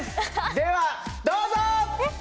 ではどうぞ！えっ？